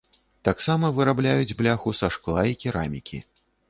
Таксама вырабляюць бляху са шкла і керамікі.